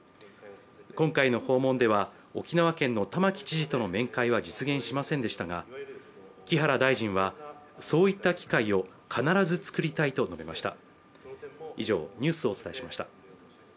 今回の訪問では沖縄県の玉城知事との面会は実現しませんでしたが木原大臣は、そういった機会を必ず作りたいと述べました。